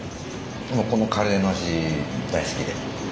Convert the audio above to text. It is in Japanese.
このカレーの味大好きで。